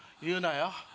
言うなよ